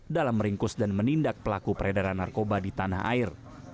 dalam meringkus dan menindak pelaku peredaran narkoba di tanah air